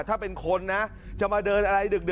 ถ้าเป็นคนนะจะมาเดินอะไรดึก